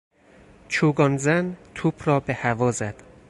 چوگانزن توپ را به هوا زد.